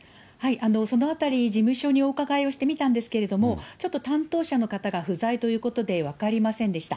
そのあたり、事務所にお伺いをしてみたんですけど、ちょっと担当者の方が不在ということで分かりませんでした。